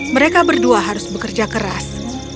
mereka berdua harus bekerja keras